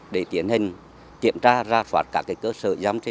để tiến hành kiểm tra ra phạt các cơ sở giam gỗ